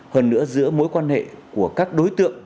hơn nữa giữa mối quan hệ của các đối tượng